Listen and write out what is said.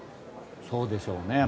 そうでしょうね。